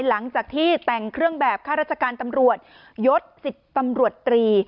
หลังจากที่แต่งเครื่องแบบข้าราชการตำรวจยศ๑๐ตำรวจตรี